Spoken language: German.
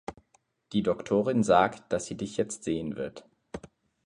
Die Doktorin sagt, das sie dich jetzt sehen wird.